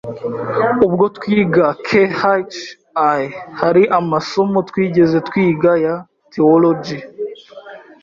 Ubwo twiga KHI, hari amasomo twigeze twiga ya Theologie